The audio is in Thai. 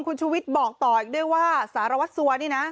คุณชูวิทย์บอกต่ออีกด้วยว่าสารวัตรสัวนี่นะ